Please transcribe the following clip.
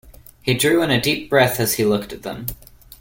He drew in a deep breath as he looked at them.